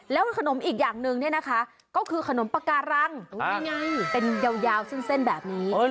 แล้วขนมอีกอย่างหนึ่งเนี่ยนะคะก็คือขนมปากการังเป็นยาวเส้นแบบนี้